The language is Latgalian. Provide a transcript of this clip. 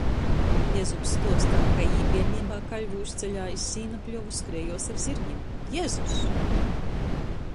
Jezups stuosta, kai jī bierneibā Kaļvūs ceļā iz sīna pļovu skriejuos ar zyrgim: Jezus!